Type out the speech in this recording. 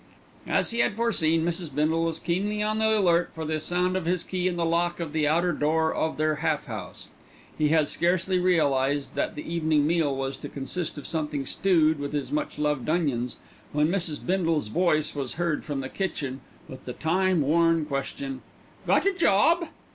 As he had foreseen, Mrs. Bindle was keenly on the alert for the sound of his key in the lock of the outer door of their half house. He had scarcely realised that the evening meal was to consist of something stewed with his much loved onions, when Mrs. Bindle's voice was heard from the kitchen with the time worn question: "Got a job?"